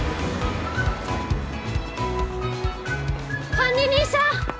管理人さん！